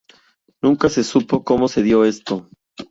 Nunca se supo como se dio esto.